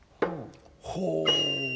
ほう！